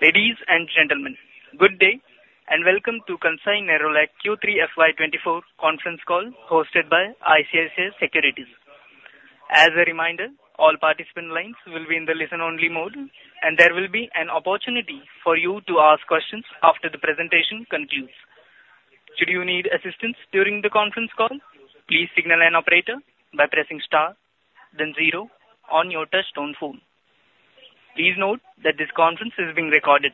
Ladies and gentlemen, good day, and welcome to Kansai Nerolac Q3 FY 2024 conference call, hosted by ICICI Securities. As a reminder, all participant lines will be in the listen-only mode, and there will be an opportunity for you to ask questions after the presentation concludes. Should you need assistance during the conference call, please signal an operator by pressing star, then zero on your touchtone phone. Please note that this conference is being recorded.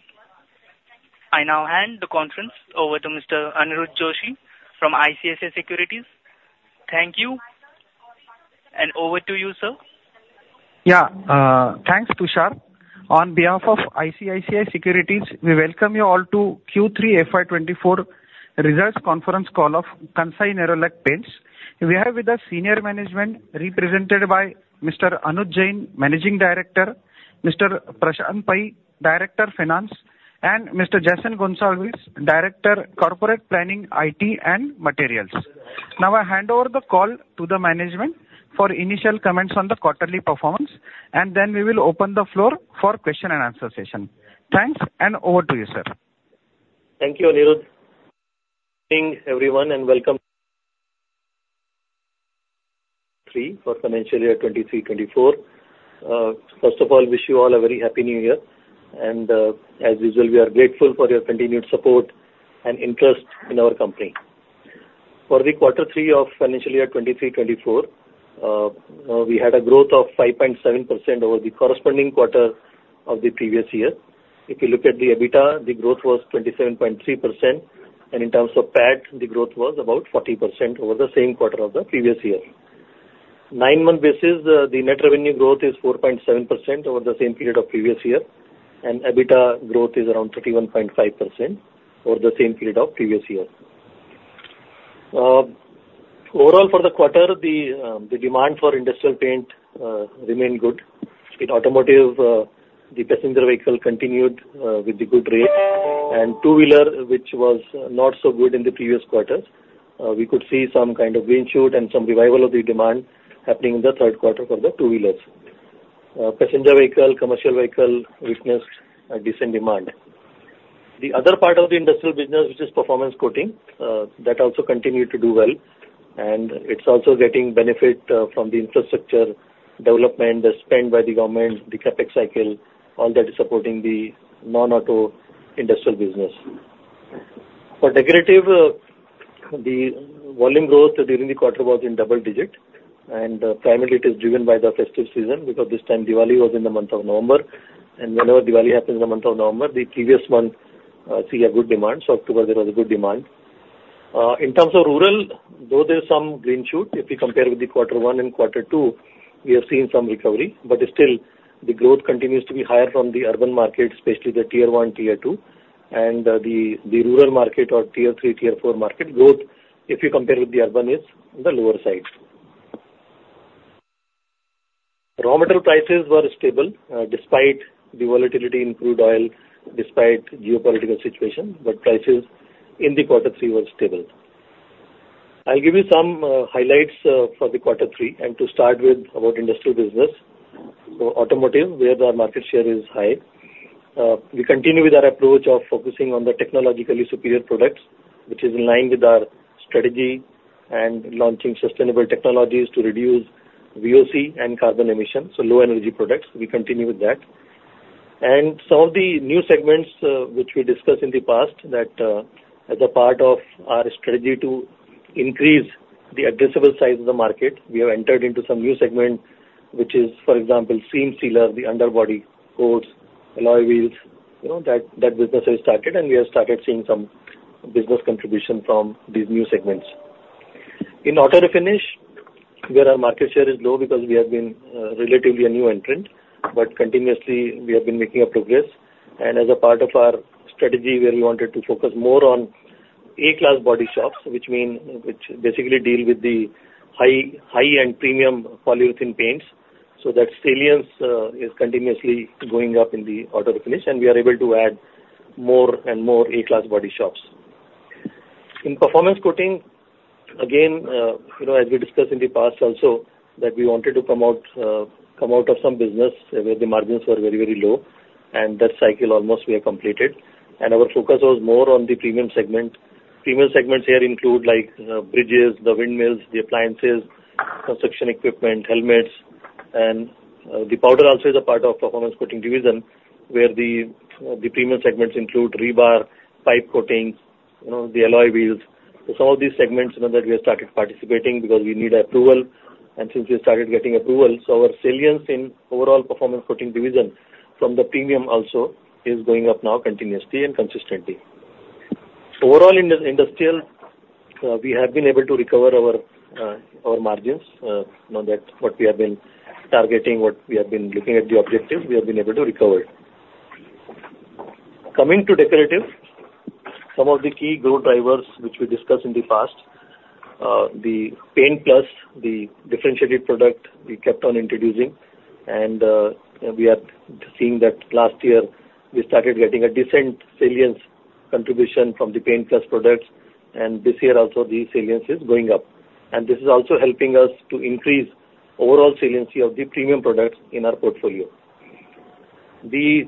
I now hand the conference over to Mr. Aniruddha Joshi from ICICI Securities. Thank you, and over to you, sir. Yeah, thanks, Tushar. On behalf of ICICI Securities, we welcome you all to Q3 FY 2024 results conference call of Kansai Nerolac Paints. We are with the senior management, represented by Mr. Anuj Jain, Managing Director, Mr. Prashant Pai, Director, Finance, and Mr. Jason Gonsalves, Director, Corporate Planning, IT and Materials. Now, I hand over the call to the management for initial comments on the quarterly performance, and then we will open the floor for question and answer session. Thanks, and over to you, sir. Thank you, Aniruddha. Evening, everyone, and welcome Q3 for financial year 2023-2024. First of all, wish you all a very Happy New Year, and, as usual, we are grateful for your continued support and interest in our company. For the quarter three of financial year 2023-2024, we had a growth of 5.7% over the corresponding quarter of the previous year. If you look at the EBITDA, the growth was 27.3%, and in terms of PAT, the growth was about 40% over the same quarter of the previous year. nine-month basis, the net revenue growth is 4.7% over the same period of previous year, and EBITDA growth is around 31.5% over the same period of previous year. Overall, for the quarter, the demand for industrial paint remained good. In automotive, the passenger vehicle continued with the good rate, and two-wheeler, which was not so good in the previous quarters, we could see some kind of green shoot and some revival of the demand happening in the third quarter for the two-wheelers. Passenger vehicle, commercial vehicle, witnessed a decent demand. The other part of the industrial business, which is performance coating, that also continued to do well, and it's also getting benefit from the infrastructure development spent by the government, the CapEx cycle, all that is supporting the non-auto industrial business. For decorative, the volume growth during the quarter was in double digit, and primarily it is driven by the festive season, because this time, Diwali was in the month of November. Whenever Diwali happens in the month of November, the previous month see a good demand. So October, there was a good demand. In terms of rural, though there's some green shoot, if we compare with the quarter one and quarter two, we have seen some recovery, but still, the growth continues to be higher from the urban market, especially the Tier 1, Tier 2, and the rural market or Tier 3, Tier 4 market growth, if you compare with the urban, is on the lower side. Raw material prices were stable despite the volatility in crude oil, despite geopolitical situation, but prices in the quarter three were stable. I'll give you some highlights for the quarter three, and to start with about industrial business. So automotive, where the market share is high, we continue with our approach of focusing on the technologically superior products, which is in line with our strategy and launching sustainable technologies to reduce VOC and carbon emissions, so low-energy products, we continue with that. And some of the new segments, which we discussed in the past, as a part of our strategy to increase the addressable size of the market, we have entered into some new segments, which is, for example, seam sealer, the underbody coats, alloy wheels, you know, that business has started, and we have started seeing some business contribution from these new segments. In auto refinish, where our market share is low because we have been relatively a new entrant, but continuously, we have been making a progress. As a part of our strategy, where we wanted to focus more on A-class body shops, which mean, which basically deal with the high, high-end premium polyurethane paints, so that salience is continuously going up in the auto refinish, and we are able to add more and more A-class body shops. In performance coating, again, you know, as we discussed in the past also, that we wanted to come out, come out of some business where the margins were very, very low, and that cycle almost we have completed. Our focus was more on the premium segment. Premium segments here include, like, bridges, the windmills, the appliances, construction equipment, helmets. And, the powder also is a part of performance coating division, where the premium segments include rebar, pipe coatings, you know, the alloy wheels. So some of these segments, you know, that we have started participating because we need approval, and since we started getting approvals, our salience in overall performance coating division from the premium also is going up now continuously and consistently. So overall, in the industrial, we have been able to recover our, our margins. Now that what we have been targeting, what we have been looking at the objective, we have been able to recover it. Coming to decorative , some of the key growth drivers which we discussed in the past, the Paint+, the differentiated product we kept on introducing, and, we are seeing that last year we started getting a decent salience contribution from the Paint+ products.... And this year also the salience is going up, and this is also helping us to increase overall salience of the premium products in our portfolio. The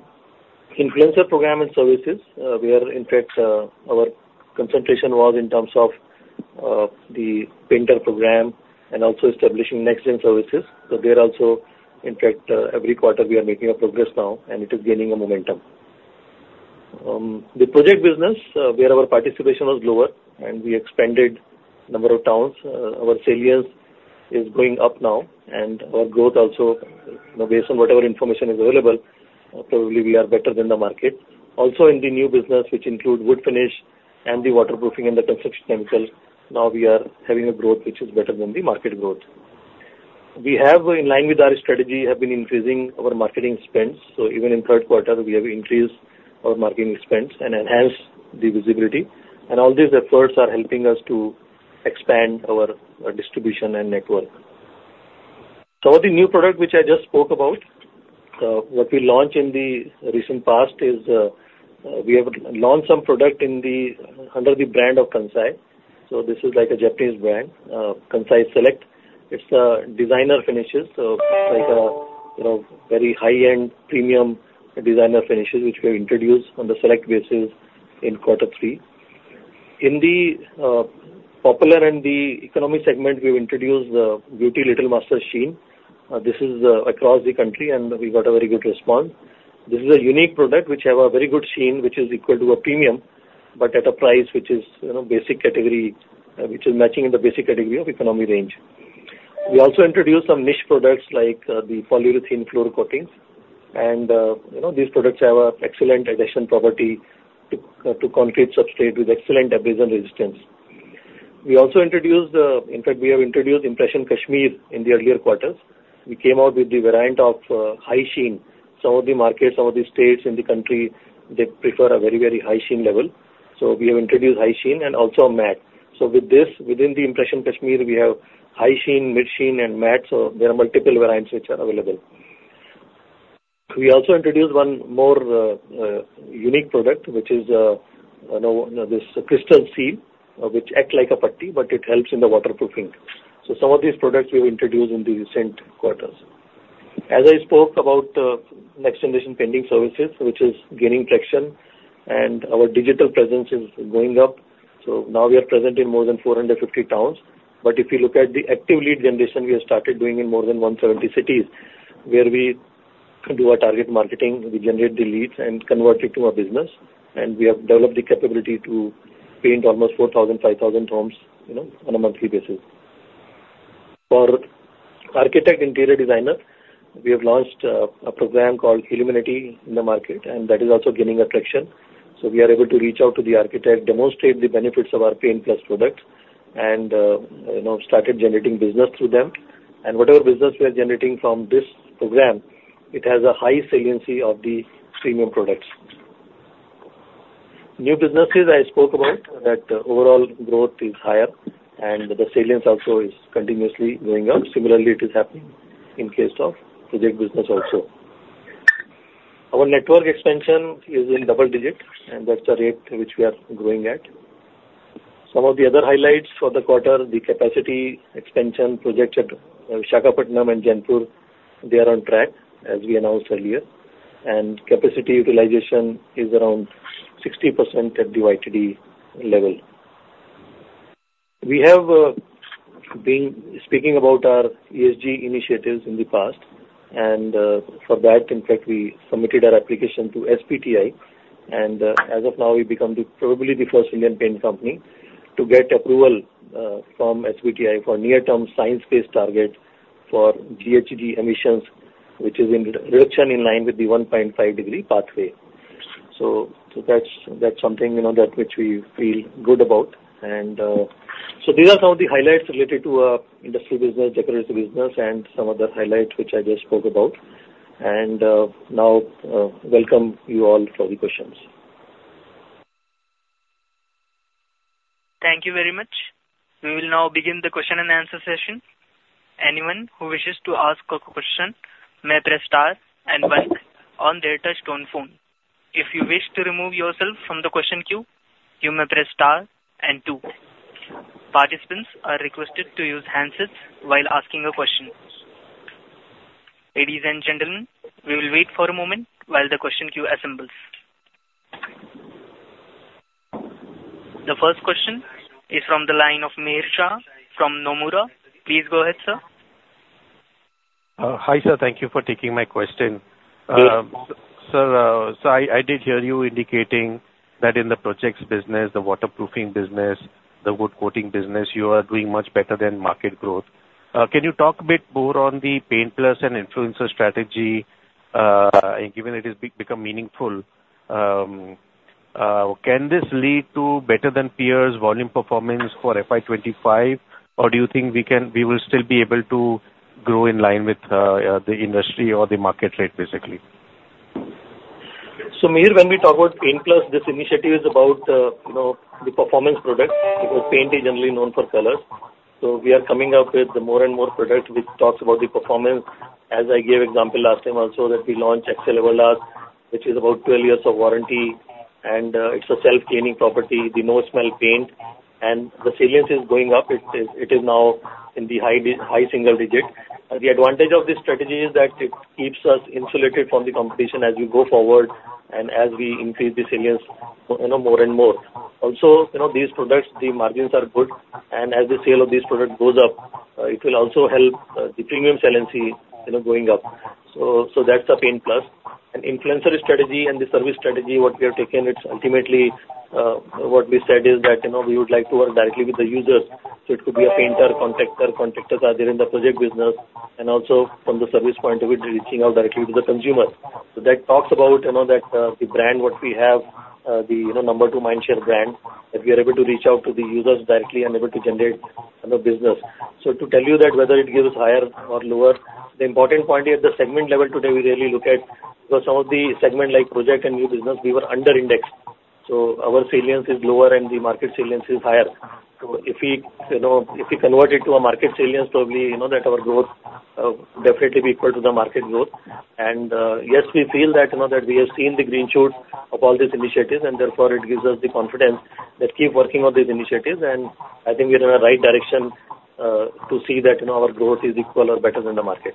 influencer program and services, we are in fact, our concentration was in terms of, the painter program and also establishing next-gen services. So there also, in fact, every quarter we are making a progress now, and it is gaining a momentum. The project business, where our participation was lower and we expanded number of towns, our salience is going up now, and our growth also, you know, based on whatever information is available, probably we are better than the market. Also in the new business, which include wood finish and the waterproofing and the construction chemicals, now we are having a growth which is better than the market growth. We have, in line with our strategy, have been increasing our marketing spends, so even in third quarter we have increased our marketing spends and enhanced the visibility. All these efforts are helping us to expand our distribution and network. Some of the new product which I just spoke about, what we launched in the recent past is, we have launched some product in the under the brand of Kansai. So this is like a Japanese brand, Kansai Select. It's a designer finishes, so it's like a, you know, very high-end, premium designer finishes, which we have introduced on the select basis in quarter three. In the popular and the economy segment, we've introduced Beauty Little Master Sheen. This is across the country, and we got a very good response. This is a unique product which have a very good sheen, which is equal to a premium, but at a price which is, you know, basic category, which is matching in the basic category of economy range. We also introduced some niche products, like, the polyurethane floor coatings, and, you know, these products have an excellent adhesion property to, to concrete substrate with excellent abrasion resistance. We also introduced. In fact, we have introduced Impressions Kashmir in the earlier quarters. We came out with the variant of, high sheen. Some of the markets, some of the states in the country, they prefer a very, very high sheen level, so we have introduced high sheen and also matte. So with this, within the Impressions Kashmir, we have high sheen, mid sheen, and matte, so there are multiple variants which are available. We also introduced one more, unique product, which is, you know, this Crystal Seal, which act like a putty, but it helps in the waterproofing. So some of these products we have introduced in the recent quarters. As I spoke about, next-generation painting services, which is gaining traction, and our digital presence is going up, so now we are present in more than 450 towns. But if you look at the active lead generation, we have started doing in more than 170 cities, where we do our target marketing, we generate the leads and convert it to a business, and we have developed the capability to paint almost 4,000, 5,000 homes, you know, on a monthly basis. For architect interior designer, we have launched a program called Illuminati in the market, and that is also gaining traction. So we are able to reach out to the architect, demonstrate the benefits of our Paint+ products, and you know, started generating business through them. And whatever business we are generating from this program, it has a high saliency of the premium products. New businesses, I spoke about, that overall growth is higher, and the saliency also is continuously going up. Similarly, it is happening in case of project business also. Our network expansion is in double digits, and that's the rate which we are growing at. Some of the other highlights for the quarter, the capacity expansion projects at Visakhapatnam and Jaipur, they are on track, as we announced earlier, and capacity utilization is around 60% at the YTD level. We have been speaking about our ESG initiatives in the past, and for that, in fact, we submitted our application to SBTi. And as of now, we've become the probably the first Indian paint company to get approval from SBTi for near-term science-based target for GHG emissions, which is in reduction in line with the 1.5-degree pathway. So that's something, you know, that which we feel good about. And so these are some of the highlights related to industry business, decorative business, and some other highlights, which I just spoke about. And now welcome you all for the questions. Thank you very much. We will now begin the question-and-answer session. Anyone who wishes to ask a question may press star and one on their touchtone phone. If you wish to remove yourself from the question queue, you may press star and two. Participants are requested to use handsets while asking a question. Ladies and gentlemen, we will wait for a moment while the question queue assembles. The first question is from the line of Mihir Shah from Nomura. Please go ahead, sir. Hi, sir. Thank you for taking my question. Yes. Sir, so I did hear you indicating that in the projects business, the waterproofing business, the wood coating business, you are doing much better than market growth. Can you talk a bit more on the Paint+ and influencer strategy, given it has become meaningful? Can this lead to better than peers volume performance for FY 25, or do you think we will still be able to grow in line with the industry or the market rate, basically? Mihir, when we talk about Paint+, this initiative is about, you know, the performance product, because paint is generally known for color. So we are coming up with more and more product, which talks about the performance. As I gave example last time also, that we launched Excel Everlast, which is about 12 years of warranty, and it's a self-cleaning property, the no smell paint. And the salience is going up, it is now in the high single digits. The advantage of this strategy is that it keeps us insulated from the competition as we go forward and as we increase the salience, you know, more and more. Also, you know, these products, the margins are good, and as the sale of this product goes up, it will also help the premium saliency, you know, going up. So, so that's the Paint+. And influencer strategy and the service strategy, what we have taken, it's ultimately, what we said is that, you know, we would like to work directly with the users. So it could be a painter, contractor, contractors are there in the project business, and also from the service point of view, reaching out directly to the consumer. So that talks about, you know, that, the brand, what we have, the, you know, number two mindshare brand, that we are able to reach out to the users directly and able to generate, you know, business. So to tell you that whether it gives higher or lower, the important point at the segment level today, we really look at, because some of the segment, like project and new business, we were under-indexed. So our salience is lower and the market salience is higher. So if we, you know, if we convert it to a market salience, probably, you know, that our growth definitely be equal to the market growth. And, yes, we feel that, you know, that we have seen the green shoots of all these initiatives, and therefore it gives us the confidence that keep working on these initiatives. And I think we're in the right direction, to see that, you know, our growth is equal or better than the market.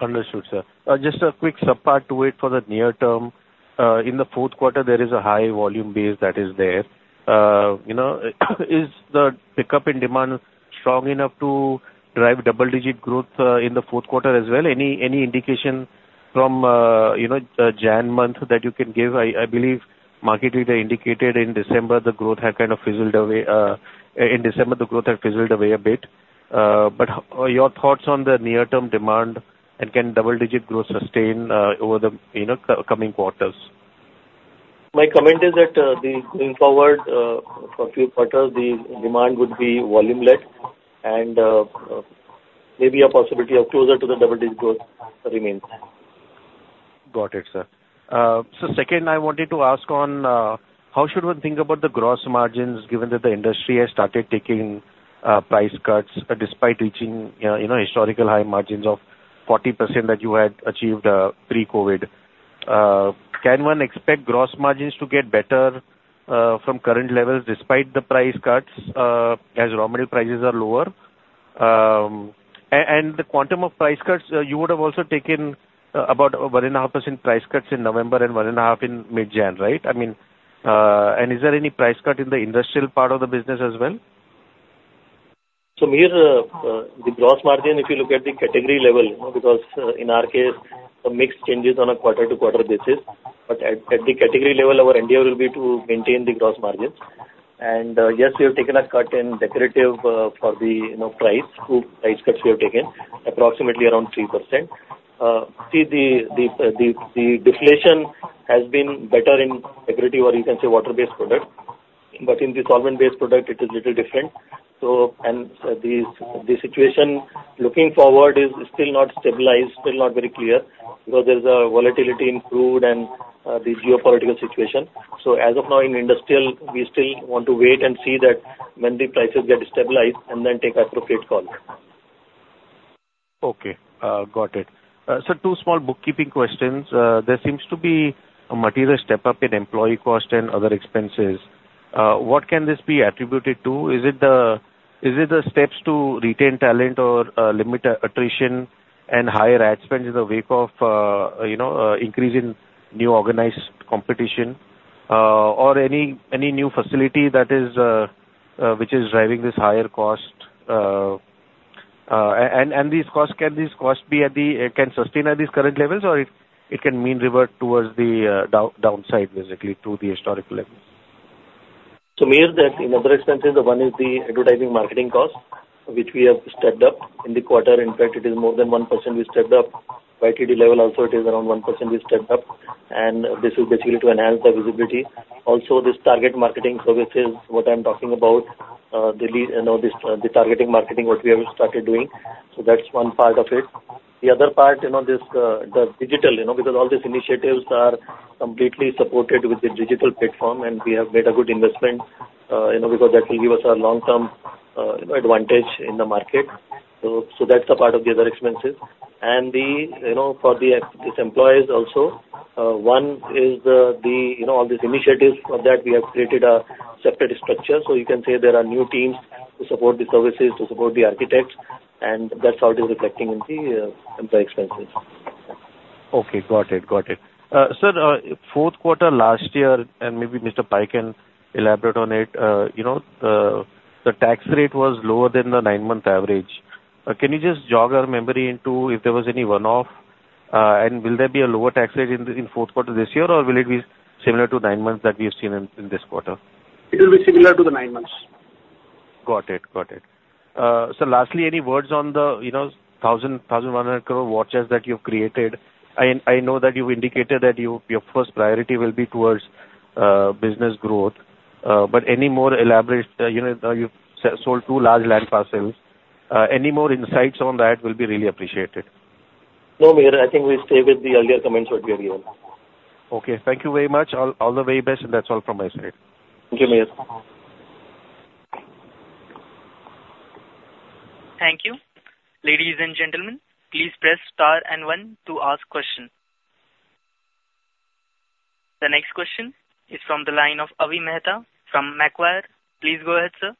Understood, sir. Just a quick subpart to it for the near term. In the fourth quarter, there is a high volume base that is there. You know, is the pickup in demand strong enough to drive double-digit growth in the fourth quarter as well? Any indication from, you know, the Jan month that you can give? I believe market leader indicated in December, the growth had kind of fizzled away, in December, the growth had fizzled away a bit. But your thoughts on the near-term demand, and can double-digit growth sustain over the, you know, coming quarters? My comment is that, the going forward, for a few quarters, the demand would be volume-led, and, maybe a possibility of closer to the double-digit growth remains. Got it, sir. So second, I wanted to ask on how should one think about the gross margins, given that the industry has started taking price cuts despite reaching, you know, historical high margins of 40% that you had achieved pre-COVID? Can one expect gross margins to get better from current levels despite the price cuts, as raw material prices are lower? And the quantum of price cuts, you would have also taken about 1.5% price cuts in November and 1.5% in mid-January, right? I mean, and is there any price cut in the industrial part of the business as well? So, Mihir, the gross margin, if you look at the category level, you know, because in our case, the mix changes on a quarter-to-quarter basis. But at the category level, our endeavor will be to maintain the gross margins. And yes, we have taken a cut in decorative for the, you know, price, two price cuts we have taken, approximately around 3%. See, the deflation has been better in decorative or you can say water-based products, but in the solvent-based product it is little different. So and the situation looking forward is still not stabilized, still not very clear, because there's a volatility in crude and the geopolitical situation. So as of now, in industrial, we still want to wait and see that when the prices get stabilized and then take appropriate call. Okay, got it. Sir, two small bookkeeping questions. There seems to be a material step up in employee cost and other expenses. What can this be attributed to? Is it the steps to retain talent or limit attrition and higher ad spend in the wake of, you know, increase in new organized competition? Or any new facility which is driving this higher cost, and these costs can sustain at these current levels, or it can mean revert towards the downside, basically, to the historical levels? So Mihir, then in other expenses, the one is the advertising marketing cost, which we have stepped up in the quarter. In fact, it is more than 1% we stepped up. YTD level also, it is around 1% we stepped up, and this is basically to enhance the visibility. Also, this target marketing services, what I'm talking about, the lead, you know, this, the targeting marketing, what we have started doing, so that's one part of it. The other part, you know, this, the digital, you know, because all these initiatives are completely supported with the digital platform, and we have made a good investment, you know, because that will give us a long-term advantage in the market. So, so that's a part of the other expenses. And, you know, for the existing employees also, one is, you know, all these initiatives for that we have created a separate structure. So you can say there are new teams to support the services, to support the architects, and that's how it is reflecting in the employee expenses. Okay, got it. Got it. Sir, fourth quarter last year, and maybe Mr. Pai can elaborate on it, you know, the tax rate was lower than the nine-month average. Can you just jog our memory into if there was any one-off, and will there be a lower tax rate in the, in fourth quarter this year, or will it be similar to nine months that we have seen in, in this quarter? It will be similar to the nine months. Got it. Got it. So lastly, any words on the, you know, 1,100 crore war chest that you've created? I know that you've indicated that your first priority will be towards business growth, but any more elaborate, you know, you sold two large land parcels. Any more insights on that will be really appreciated.... No, Mihir, I think we stay with the earlier comments what we are giving. Okay, thank you very much. All, all the very best, and that's all from my side. Thank you, Mihir. Thank you. Ladies and gentlemen, please press star and one to ask questions. The next question is from the line of Avi Mehta from Macquarie. Please go ahead, sir.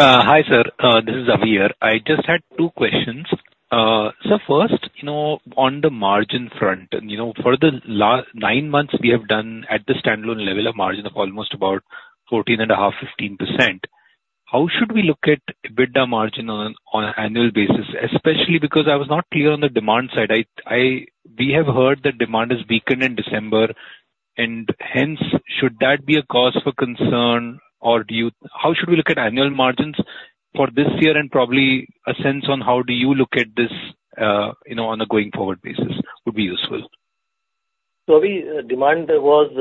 Hi, sir. This is Avi here. I just had two questions. So first, you know, on the margin front, and, you know, for the last nine months, we have done at the standalone level, a margin of almost about 14.5%-15%. How should we look at EBITDA margin on an annual basis, especially because I was not clear on the demand side. We have heard that demand has weakened in December, and hence, should that be a cause for concern or how should we look at annual margins for this year, and probably a sense on how do you look at this, you know, on a going forward basis, would be useful. So Avi, demand was,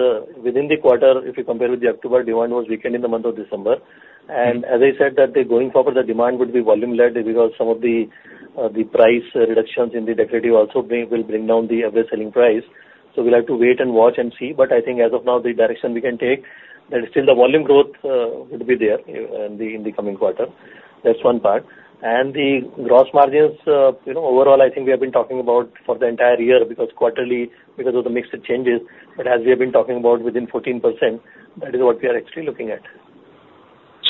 within the quarter, if you compare with the October, demand was weakened in the month of December. And as I said, that the going forward, the demand would be volume-led because some of the, the price reductions in the decorative also bring, will bring down the average selling price. So we'll have to wait and watch and see. But I think as of now, the direction we can take, that still the volume growth, would be there in the, in the coming quarter. That's one part. And the gross margins, you know, overall, I think we have been talking about for the entire year, because quarterly, because of the mix of changes, but as we have been talking about within 14%, that is what we are actually looking at.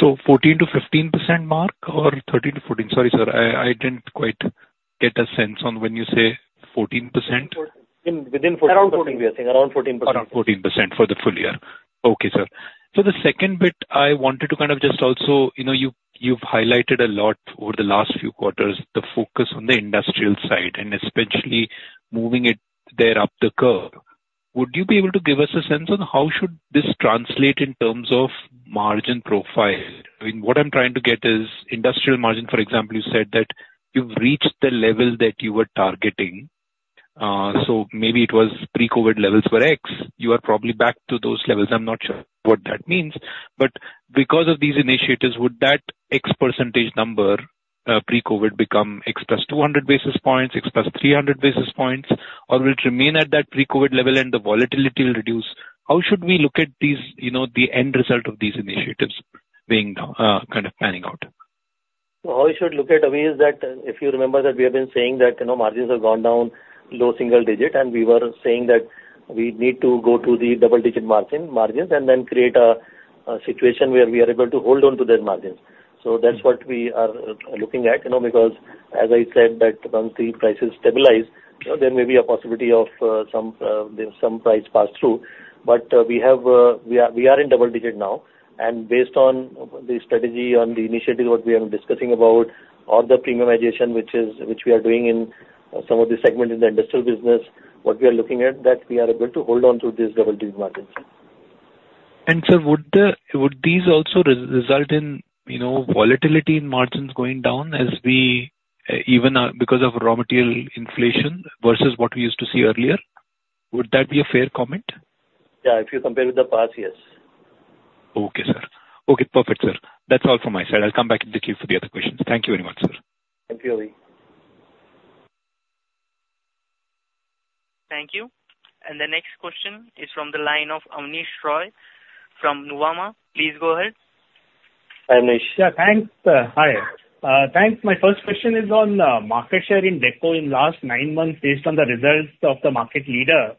So 14%-15% mark or 13%-14%? Sorry, sir, I, I didn't quite get a sense on when you say 14%. 14%. Within 14%. Around 14% we are saying. Around 14%. Around 14% for the full year. Okay, sir. So the second bit I wanted to kind of just also, you know, you've, you've highlighted a lot over the last few quarters, the focus on the industrial side and especially moving it there up the curve. Would you be able to give us a sense on how should this translate in terms of margin profile? I mean, what I'm trying to get is industrial margin, for example, you said that you've reached the level that you were targeting. So maybe it was pre-COVID levels were x. You are probably back to those levels. I'm not sure what that means. But because of these initiatives, would that x percentage number, pre-COVID become x + 200 basis points, x + 300 basis points, or will it remain at that pre-COVID level and the volatility will reduce? How should we look at these, you know, the end result of these initiatives being kind of panning out? So how you should look at, Avi, is that if you remember that we have been saying that, you know, margins have gone down low single digit, and we were saying that we need to go to the double digit margin, margins, and then create a situation where we are able to hold on to their margins. So that's what we are looking at, you know, because as I said, that once the prices stabilize, there may be a possibility of some, there's some price pass-through. But we have, we are, we are in double digit now. And based on the strategy on the initiative, what we are discussing about or the premiumization, which is, which we are doing in some of the segment in the industrial business, what we are looking at, that we are able to hold on to this double digit margins. Sir, would these also result in, you know, volatility in margins going down as we even because of raw material inflation versus what we used to see earlier? Would that be a fair comment? Yeah, if you compare with the past, yes. Okay, sir. Okay, perfect, sir. That's all from my side. I'll come back in the queue for the other questions. Thank you very much, sir. Thank you, Avi. Thank you. The next question is from the line of Abneesh Roy from Nuvama. Please go ahead. Hi, Abneesh. Yeah, thanks. Hi. Thanks. My first question is on market share in Deco in last nine months, based on the results of the market leader.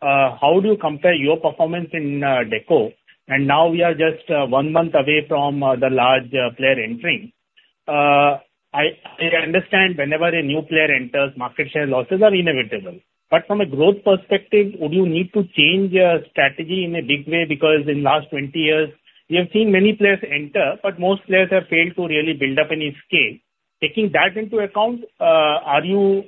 How do you compare your performance in Deco? And now we are just one month away from the large player entering. I understand whenever a new player enters, market share losses are inevitable. But from a growth perspective, would you need to change your strategy in a big way? Because in last 20 years, we have seen many players enter, but most players have failed to really build up any scale. Taking that into account, are you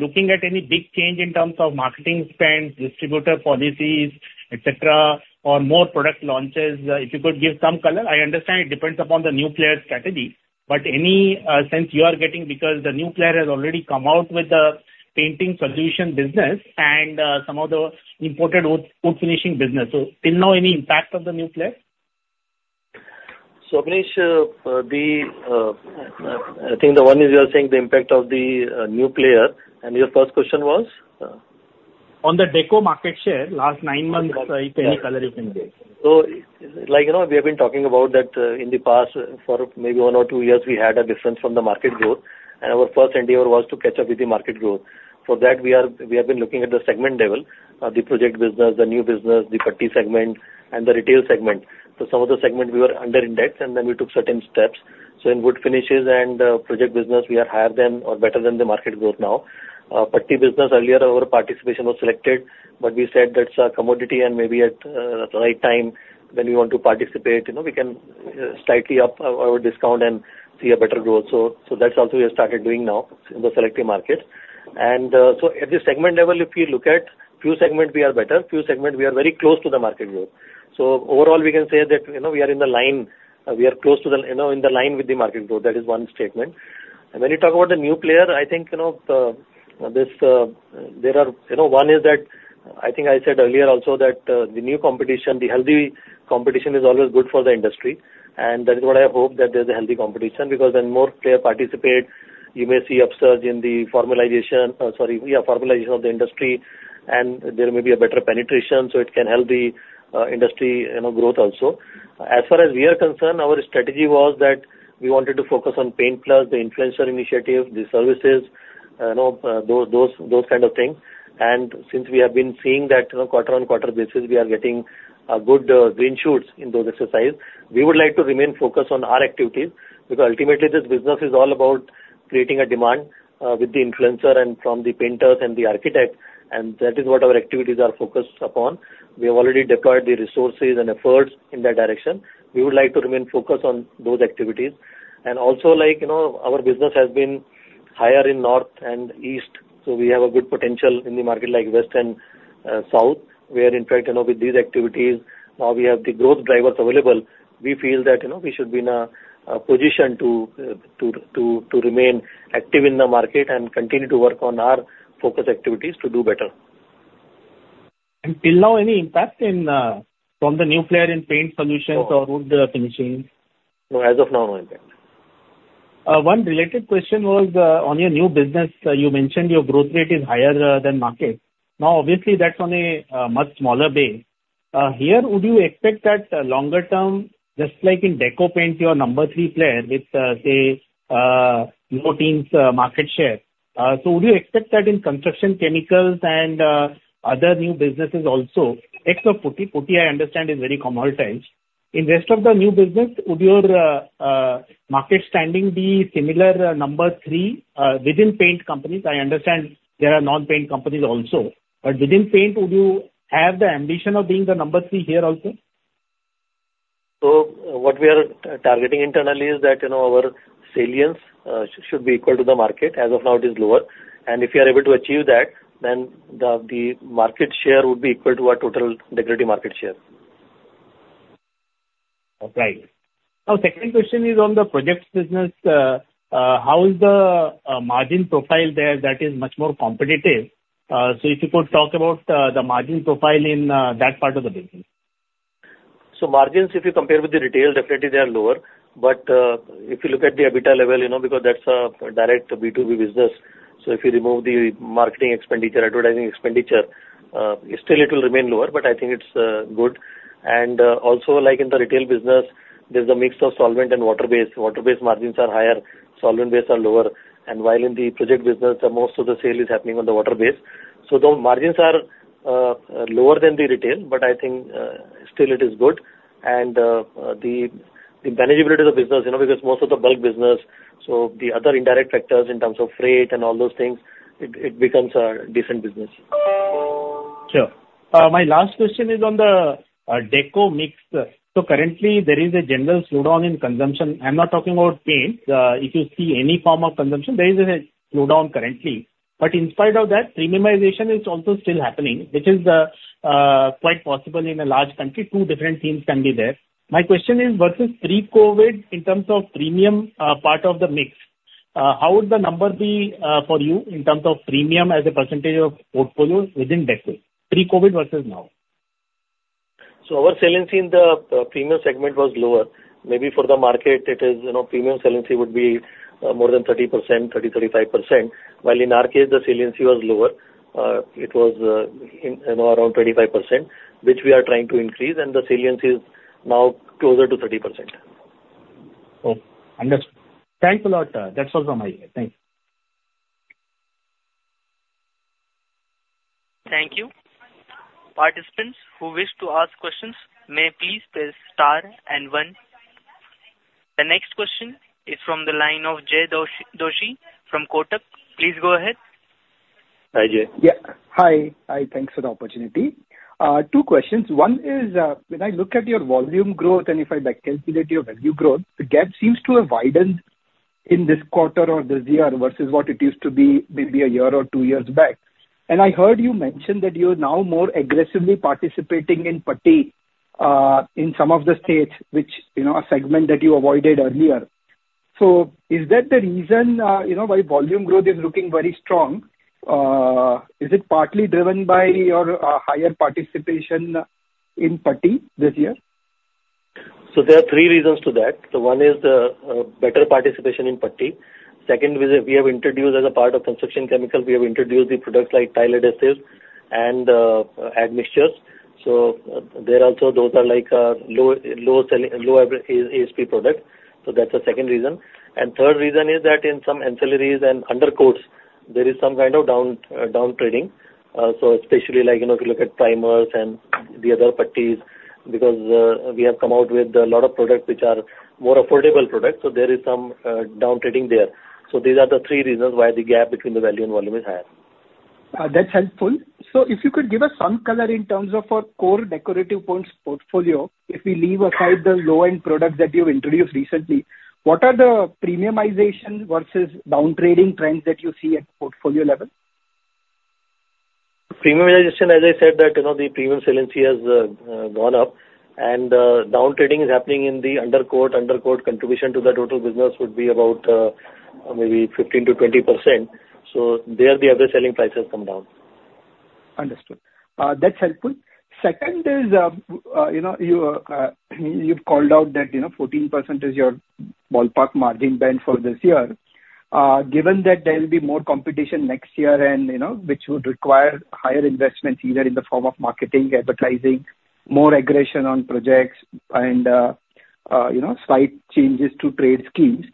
looking at any big change in terms of marketing spends, distributor policies, et cetera, or more product launches? If you could give some color. I understand it depends upon the new player strategy, but any sense you are getting, because the new player has already come out with the painting solution business and some of the imported wood, wood finishing business. So till now, any impact of the new player? So Abneesh, I think the one is you are saying the impact of the new player, and your first question was? On the Deco market share, last nine months, if any color you can give? So, like, you know, we have been talking about that, in the past for maybe one or two years, we had a difference from the market growth, and our first endeavor was to catch up with the market growth. For that, we are, we have been looking at the segment level, the project business, the new business, the putty segment, and the retail segment. So some of the segment we were under index, and then we took certain steps. So in wood finishes and, project business, we are higher than or better than the market growth now. Putty business, earlier, our participation was selected, but we said that's a commodity and maybe at, the right time, when we want to participate, you know, we can slightly up our, our discount and see a better growth. So, so that's also we have started doing now in the selective markets. And, so at the segment level, if you look at few segment, we are better, few segment, we are very close to the market growth. So overall, we can say that, you know, we are in the line, we are close to the... you know, in the line with the market growth. That is one statement. When you talk about the new player, I think, you know, I think I said earlier also that the new competition, the healthy competition, is always good for the industry, and that is what I hope, that there's a healthy competition, because when more player participate, you may see upsurge in the formalization of the industry, and there may be a better penetration, so it can help the industry, you know, growth also. As far as we are concerned, our strategy was that we wanted to focus on Paint+, the influencer initiative, the services, you know, those kind of things. Since we have been seeing that, you know, quarter-on-quarter basis, we are getting a good green shoots in those exercise. We would like to remain focused on our activities, because ultimately this business is all about creating a demand with the influencer and from the painters and the architects, and that is what our activities are focused upon. We have already deployed the resources and efforts in that direction. We would like to remain focused on those activities. And also, like, you know, our business has been higher in North and East, so we have a good potential in the market like West and South, where in fact, you know, with these activities, now we have the growth drivers available. We feel that, you know, we should be in a position to remain active in the market and continue to work on our focus activities to do better. Till now, any impact from the new player in paint solutions or wood finishing? No, as of now, no impact. One related question was on your new business. You mentioned your growth rate is higher than market. Now, obviously, that's on a much smaller base. Here, would you expect that longer term, just like in Deco paint, you're number three player with, say, low teens market share. So would you expect that in construction chemicals and other new businesses also, except putty, putty I understand is very commoditized. In rest of the new business, would your market standing be similar, number three, within paint companies? I understand there are non-paint companies also, but within paint, would you have the ambition of being the number three here also? What we are targeting internally is that, you know, our salience should be equal to the market. As of now, it is lower. If you are able to achieve that, then the market share would be equal to our total decorative market share. Okay. Now, second question is on the projects business. How is the margin profile there that is much more competitive? So if you could talk about the margin profile in that part of the business. So margins, if you compare with the retail, definitely they are lower. But, if you look at the EBITDA level, you know, because that's a direct B2B business, so if you remove the marketing expenditure, advertising expenditure, still it will remain lower, but I think it's good. And, also, like in the retail business, there's a mix of solvent and water-based. Water-based margins are higher, solvent-based are lower. And while in the project business, most of the sale is happening on the water-based. So though margins are lower than the retail, but I think still it is good. And, the manageability of the business, you know, because most of the bulk business, so the other indirect factors in terms of freight and all those things, it becomes a different business. Sure. My last question is on the Deco mix. So currently, there is a general slowdown in consumption. I'm not talking about paint. If you see any form of consumption, there is a slowdown currently. But in spite of that, premiumization is also still happening, which is quite possible in a large country. Two different themes can be there. My question is, versus pre-COVID, in terms of premium part of the mix, how would the number be for you in terms of premium as a percentage of portfolio within Deco? Pre-COVID versus now. So our saliency in the premium segment was lower. Maybe for the market, it is, you know, premium saliency would be more than 30%, 30%-35%, while in our case, the saliency was lower. It was in, you know, around 25%, which we are trying to increase, and the saliency is now closer to 30%. Thanks a lot. That's all from my end. Thank you. Thank you. Participants who wish to ask questions may please press star and one. The next question is from the line of Jay Doshi from Kotak. Please go ahead. Hi, Jay. Yeah. Hi. Hi, thanks for the opportunity. Two questions. One is, when I look at your volume growth, and if I, like, calculate your value growth, the gap seems to have widened in this quarter or this year versus what it used to be maybe a year or two years back. And I heard you mention that you're now more aggressively participating in putty, in some of the states which, you know, a segment that you avoided earlier. So is that the reason, you know, why volume growth is looking very strong? Is it partly driven by your, higher participation in putty this year? So there are three reasons to that. So one is the better participation in putty. Second is that we have introduced, as a part of construction chemicals, we have introduced the products like tile adhesives and admixtures. So there also, those are like low, low selling, low ASP product. So that's the second reason. And third reason is that in some ancillaries and undercoats, there is some kind of down downtrading. So especially like, you know, if you look at primers and the other putties, because we have come out with a lot of products which are more affordable products, so there is some downtrading there. So these are the three reasons why the gap between the value and volume is higher. That's helpful. If you could give us some color in terms of our core decorative paints portfolio, if we leave aside the low-end products that you've introduced recently, what are the premiumization versus downtrading trends that you see at portfolio level? Premiumization, as I said, that, you know, the premium saliency has gone up. And down trading is happening in the undercoat, undercoat contribution to the total business would be about maybe 15%-20%. So there the other selling prices come down. Understood. That's helpful. Second is, you know, you've called out that, you know, 14% is your ballpark margin band for this year. Given that there will be more competition next year and, you know, which would require higher investments, either in the form of marketing, advertising, more aggression on projects and, you know, slight changes to trade schemes.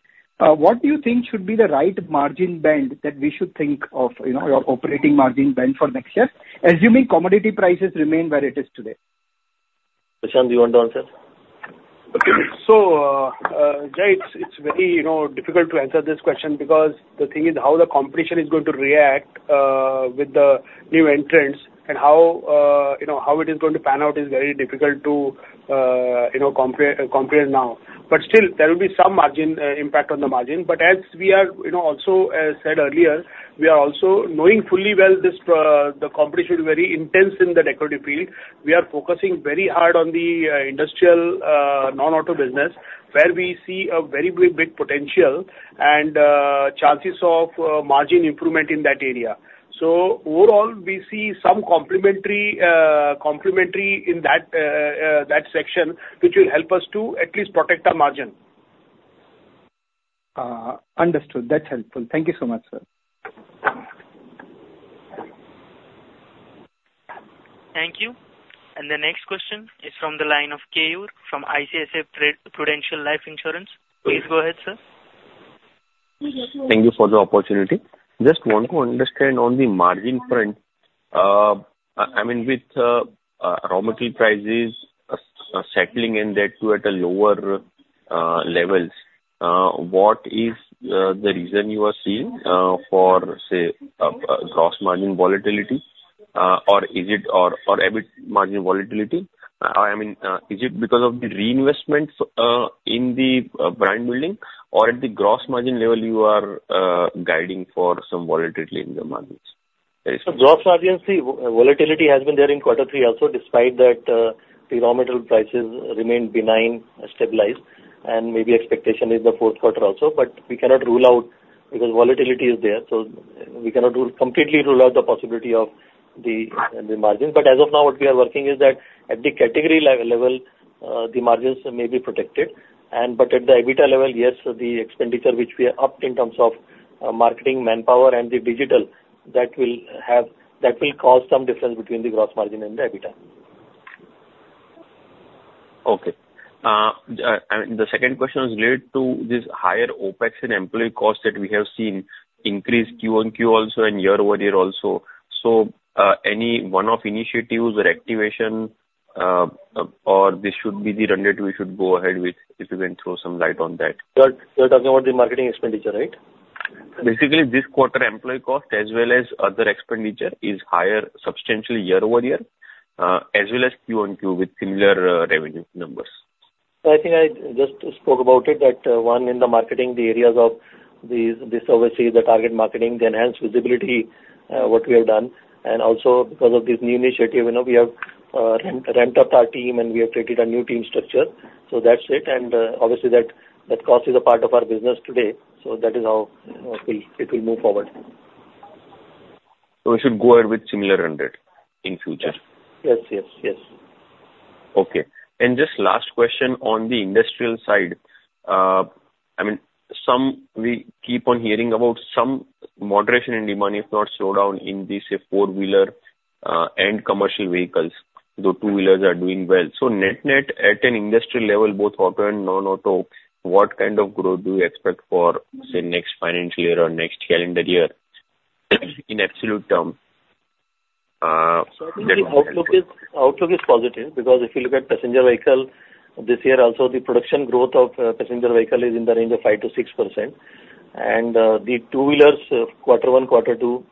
What do you think should be the right margin band that we should think of, you know, your operating margin band for next year, assuming commodity prices remain where it is today? Prashant, do you want to answer? Okay. So, Jay, it's very, you know, difficult to answer this question because the thing is how the competition is going to react with the new entrants and how, you know, how it is going to pan out is very difficult to, you know, compare now. But still, there will be some margin impact on the margin. But as we are, you know, also, as said earlier, we are also knowing fully well this the competition is very intense in the decorative field. We are focusing very hard on the industrial non-auto business, where we see a very big potential and chances of margin improvement in that area. So overall, we see some complementary in that section, which will help us to at least protect our margin. Understood. That's helpful. Thank you so much, sir. Thank you. The next question is from the line of Keyur, from ICICI Prudential Life Insurance. Please go ahead, sir. Thank you for the opportunity. Just want to understand on the margin front, I mean, with raw material prices settling in that to at a lower levels, what is the reason you are seeing for, say, gross margin volatility, or is it or, or EBIT margin volatility? I mean, is it because of the reinvestments in the brand building or at the gross margin level you are guiding for some volatility in the margins? So gross margin, see, volatility has been there in quarter three also, despite that, the raw material prices remain benign and stabilized, and maybe expectation in the fourth quarter also. But we cannot rule out because volatility is there, so we cannot rule, completely rule out the possibility of the, the margin. But as of now, what we are working is that at the category level, the margins may be protected, and but at the EBITDA level, yes, the expenditure which we are up in terms of, marketing, manpower, and the digital, that will have... that will cause some difference between the gross margin and the EBITDA. Okay. The second question was related to this higher OpEx and employee costs that we have seen increase Q-on-Q also and year-over-year also. So, any one-off initiatives or activation, or this should be the run rate we should go ahead with, if you can throw some light on that. You're talking about the marketing expenditure, right? Basically, this quarter employee cost as well as other expenditure is higher substantially year-over-year, as well as Q-on-Q with similar revenue numbers. So I think I just spoke about it, that one in the marketing, the areas of these, this obviously the target marketing, the enhanced visibility, what we have done, and also because of this new initiative, you know, we have ramped up our team and we have created a new team structure. So that's it. And obviously that, that cost is a part of our business today. So that is how it will move forward. We should go ahead with similar run rate in future? Yes, yes, yes. Okay. And just last question on the industrial side. I mean, some we keep on hearing about some moderation in demand, if not slowdown, in the, say, four-wheeler, and commercial vehicles, though two-wheelers are doing well. So net-net, at an industrial level, both auto and non-auto, what kind of growth do you expect for, say, next financial year or next calendar year in absolute terms? Outlook is positive, because if you look at passenger vehicle, this year also the production growth of passenger vehicle is in the range of 5%-6%. And the two-wheelers, quarter one, quarter two,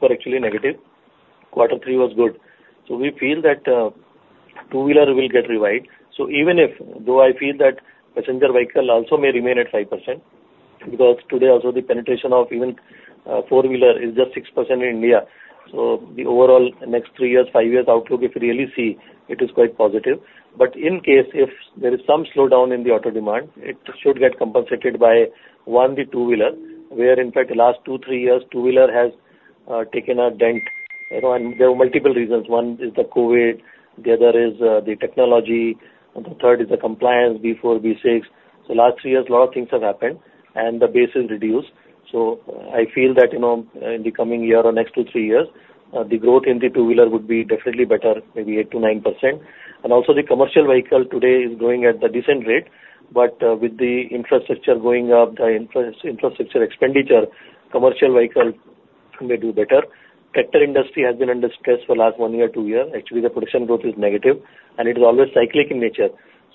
were actually negative. Quarter three was good. So we feel that two-wheeler will get revived. So even if—though I feel that passenger vehicle also may remain at 5%, because today also the penetration of even four-wheeler is just 6% in India. So the overall next three years, five years outlook, if you really see, it is quite positive. But in case if there is some slowdown in the auto demand, it should get compensated by, one, the two-wheeler, where in fact the last two, three years, two-wheeler has taken a dent. You know, and there were multiple reasons. One is the COVID, the other is, the technology, and the third is the compliance, BS-IV, BS-VI. So last three years, a lot of things have happened and the base is reduced. So I feel that, you know, in the coming year or next two, three years, the growth in the two-wheeler would be definitely better, maybe 8%-9%. And also the commercial vehicle today is growing at a decent rate, but, with the infrastructure going up, the infrastructure expenditure, commercial vehicle may do better. Tractor industry has been under stress for last one year, two year. Actually, the production growth is negative, and it is always cyclic in nature.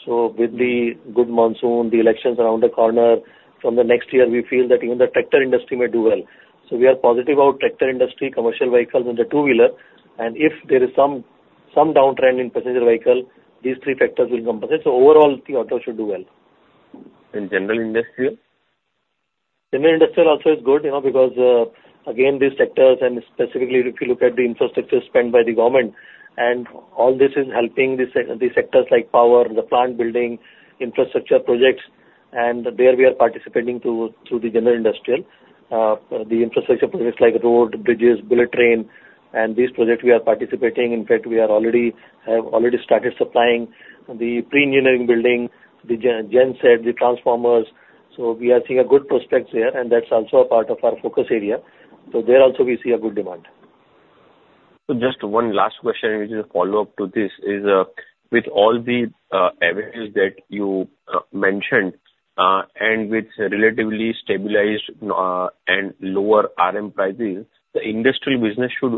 So with the good monsoon, the elections around the corner, from the next year, we feel that even the tractor industry may do well. So we are positive about tractor industry, commercial vehicles, and the two-wheeler. And if there is some downtrend in passenger vehicle, these three factors will compensate. So overall, the auto should do well. In general industrial?... General industrial also is good, you know, because, again, these sectors and specifically if you look at the infrastructure spent by the government, and all this is helping the sectors like power, the plant building, infrastructure projects, and there we are participating through the general industrial. The infrastructure projects like road, bridges, bullet train, and this project we are participating. In fact, we have already started supplying the pre-engineered building, the genset, the transformers. So we are seeing good prospects there, and that's also a part of our focus area. So there also we see good demand. So just one last question, which is a follow-up to this, is, with all the averages that you mentioned and with relatively stabilized and lower RM prices, the industrial business should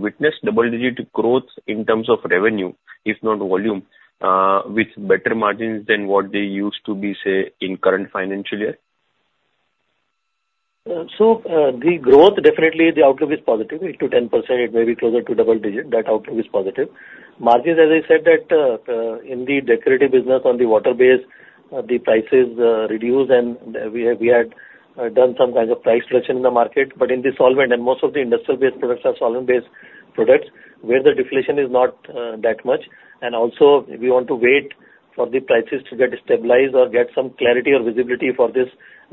witness double-digit growth in terms of revenue, if not volume, with better margins than what they used to be, say, in current financial year? So, the growth, definitely the outlook is positive, 8%-10%, it may be closer to double digit. That outlook is positive. Margins, as I said, that, in the decorative business, on the water base, the prices reduced and we have, we had done some kind of price reduction in the market. But in the solvent, and most of the industrial-based products are solvent-based products, where the deflation is not that much. And also we want to wait for the prices to get stabilized or get some clarity or visibility for this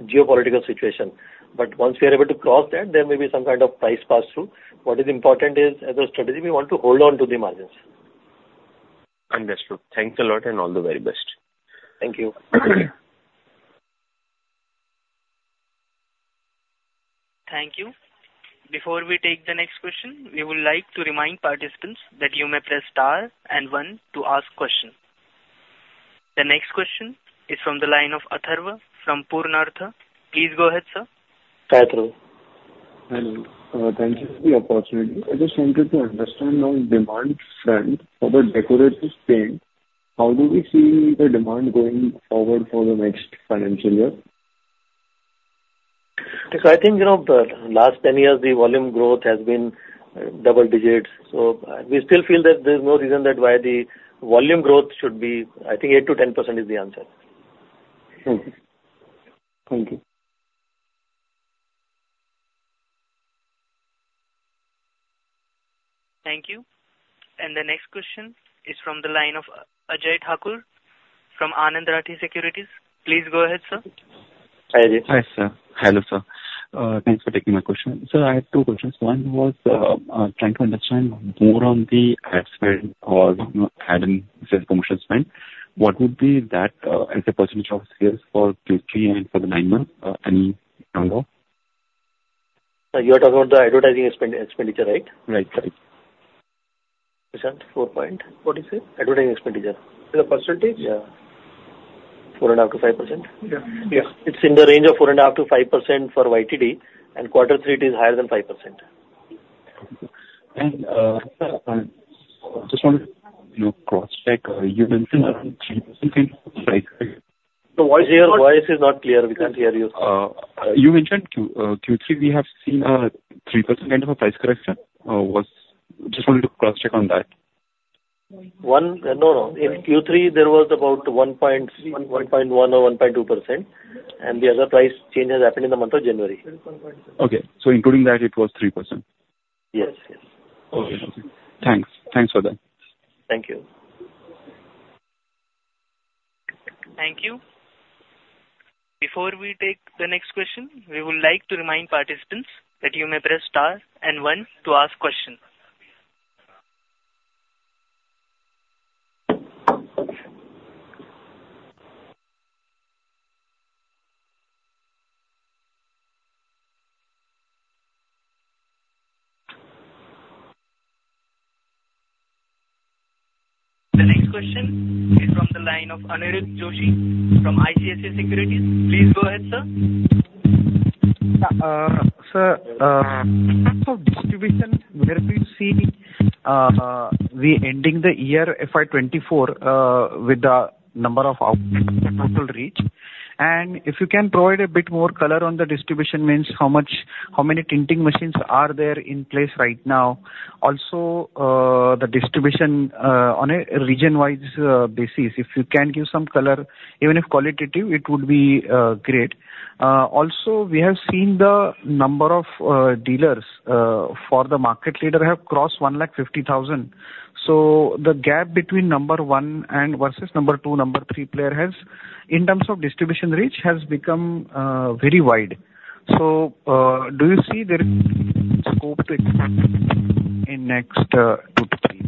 geopolitical situation. But once we are able to cross that, there may be some kind of price pass-through. What is important is, as a strategy, we want to hold on to the margins. Understood. Thanks a lot, and all the very best. Thank you. Thank you. Before we take the next question, we would like to remind participants that you may press Star and One to ask question. The next question is from the line of Atharva from Purnartha. Please go ahead, sir. Atharva. Hello. Thank you for the opportunity. I just wanted to understand on demand front for the decorative paint, how do we see the demand going forward for the next financial year? So I think, you know, the last 10 years, the volume growth has been double digits, so we still feel that there's no reason that why the volume growth should be... I think 8%-10% is the answer. Mm-hmm. Thank you. Thank you. The next question is from the line of Ajay Thakur from Anand Rathi Securities. Please go ahead, sir. Hi, Ajay. Hi, sir. Hello, sir. Thanks for taking my question. Sir, I have two questions. One was, trying to understand more on the ad spend or, you know, ad and sales promotion spend. What would be that, as a percentage of sales for Q3 and for the nine months, any number? You are talking about the advertising expenditure, right? Right, right. 4%, what is it? Advertising expenditure. The percentage? Yeah. 4.5%-5%. Yeah. Yeah. It's in the range of 4.5%-5% for YTD, and quarter three, it is higher than 5%. Sir, just wanted to cross-check. You mentioned around 3%, right? The voice- Sir, your voice is not clear. We can't hear you. You mentioned Q3, we have seen 3% kind of a price correction. Was... Just wanted to cross-check on that. One, no, no. In Q3, there was about one point- One-... 1.1% or 1.2%, and the other price change has happened in the month of January. Okay. So including that, it was 3%? Yes. Yes. Okay. Thanks. Thanks for that. Thank you. Thank you. Before we take the next question, we would like to remind participants that you may press Star and One to ask questions. The next question is from the line of Aniruddha Joshi from ICICI Securities. Please go ahead, sir. Sir, so distribution, where do you see we ending the year FY 2024 with the number of outlet total reach? And if you can provide a bit more color on the distribution, means how much, how many tinting machines are there in place right now? Also, the distribution on a region-wide basis, if you can give some color, even if qualitative, it would be great. Also, we have seen the number of dealers for the market leader have crossed 150,000. So the gap between number one and versus number two, number three player has, in terms of distribution reach, has become very wide. So, do you see there is scope to increase in next two to three?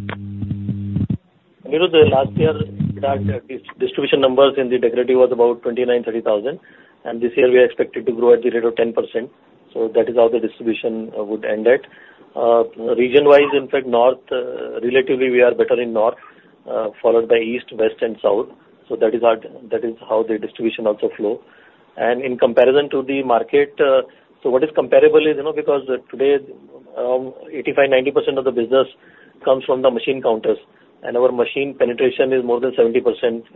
You know, the last year we had this distribution numbers in the decorative was about 29,000-30,000, and this year we are expected to grow at the rate of 10%. So that is how the distribution would end at. Region-wise, in fact, north, relatively we are better in north, followed by east, west and south, so that is our, that is how the distribution also flow. And in comparison to the market, so what is comparable is, you know, because today, 85%-90% of the business comes from the machine counters, and our machine penetration is more than 70%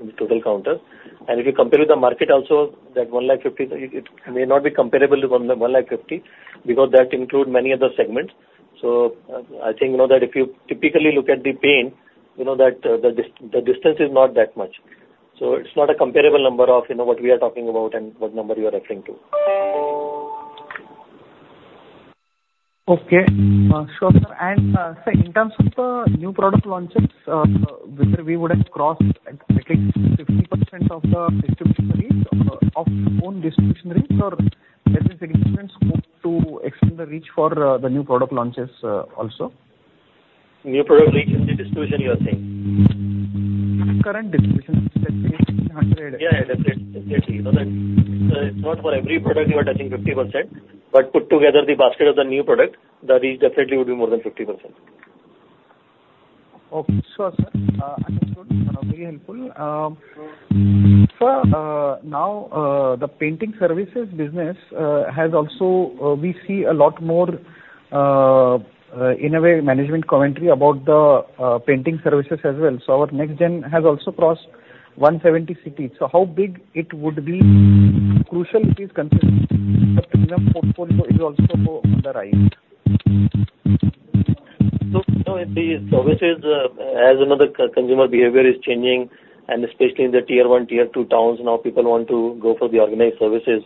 in the total counter. And if you compare with the market also, that 150,000, it, it may not be comparable to one, the 150,000, because that include many other segments. I think you know that if you typically look at the paint, you know that, the distance is not that much. So it's not a comparable number of, you know, what we are talking about and what number you are referring to. Okay. Sure, sir. And, sir, in terms of the new product launches, whether we would have crossed, like, 50% of the distribution range, of own distribution range, or there is a significant scope to extend the reach for, the new product launches, also? New product reach in the distribution, you are saying? Current distribution. Yeah, yeah, definitely. You know that, it's not for every product you are touching 50%, but put together the basket of the new product, the reach definitely would be more than 50%. Okay. Sure, sir. Very helpful. Sir, now, the painting services business has also, we see a lot more, in a way, management commentary about the painting services as well. So our NextGen has also crossed 170 cities. So how big it would be, crucial it is concerned? The premium portfolio is also on the rise. So, you know, the services, as you know, the consumer behavior is changing, and especially in the tier one, tier two towns, now people want to go for the organized services.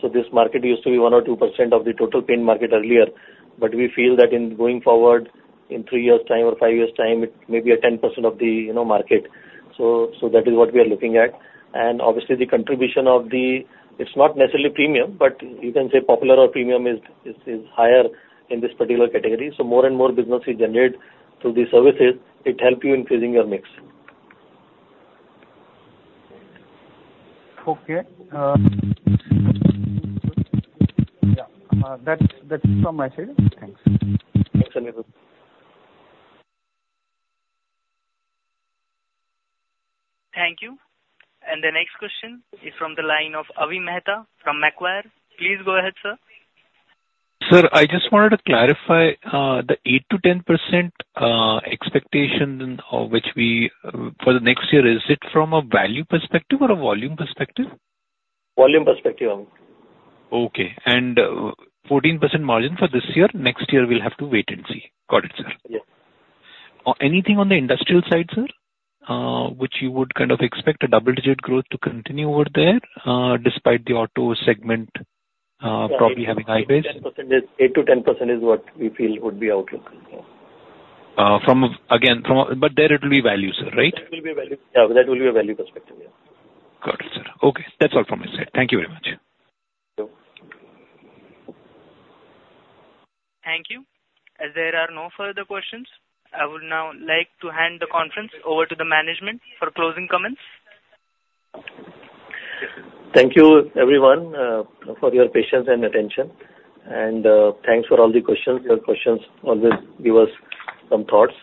So this market used to be 1% or 2% of the total paint market earlier, but we feel that in going forward, in three years' time or five years' time, it may be a 10% of the, you know, market. So, so that is what we are looking at. And obviously, the contribution of the... It's not necessarily premium, but you can say popular or premium is, is, is higher in this particular category. So more and more business we generate through these services, it help you in increasing your mix. Okay. Yeah, that's, that's from my side. Thanks. Thanks, Aniruddha. Thank you. The next question is from the line of Avi Mehta from Macquarie. Please go ahead, sir. Sir, I just wanted to clarify, the 8%-10% expectation of which we, for the next year, is it from a value perspective or a volume perspective? Volume perspective. Okay. And, 14% margin for this year, next year, we'll have to wait and see. Got it, sir. Yeah. Anything on the industrial side, sir, which you would kind of expect a double-digit growth to continue over there, despite the auto segment probably having high base? 8%-10% is what we feel would be outlook. But there it will be value, sir, right? It will be a value. Yeah, that will be a value perspective, yeah. Got it, sir. Okay, that's all from my side. Thank you very much. Welcome. Thank you. As there are no further questions, I would now like to hand the conference over to the management for closing comments. Thank you, everyone, for your patience and attention, and, thanks for all the questions. Your questions always give us some thoughts.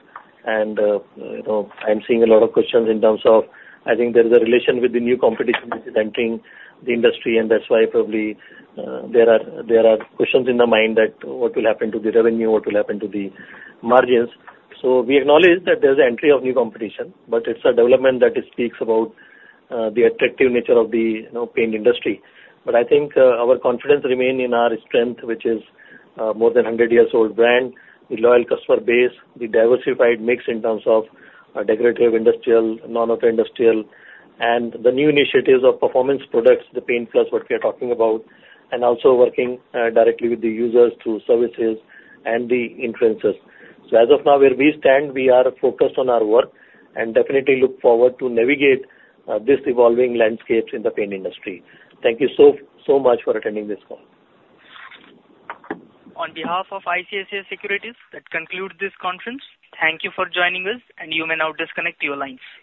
And, you know, I'm seeing a lot of questions in terms of, I think there is a relation with the new competition which is entering the industry, and that's why probably, there are, there are questions in the mind that what will happen to the revenue, what will happen to the margins. So we acknowledge that there's an entry of new competition, but it's a development that speaks about, the attractive nature of the, you know, paint industry. But I think, our confidence remain in our strength, which is, more than 100 years old brand, the loyal customer base, the diversified mix in terms of our decorative, industrial, non-auto industrial, and the new initiatives of performance products, the Paint+, what we are talking about, and also working, directly with the users through services and the influencers. So as of now, where we stand, we are focused on our work and definitely look forward to navigate, this evolving landscape in the paint industry. Thank you so, so much for attending this call. On behalf of ICICI Securities, that concludes this conference. Thank you for joining us, and you may now disconnect your lines.